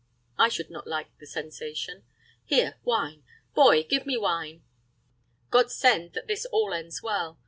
I should not like the sensation. Here, wine boy, give me wine! God send that this all ends well.